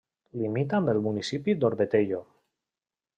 Limita amb el municipi d'Orbetello.